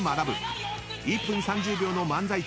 ［１分３０秒の漫才中